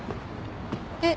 えっ。